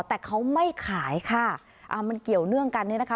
แต่เขาไม่ขายค่ะอ่ามันเกี่ยวเนื่องกันเนี่ยนะคะ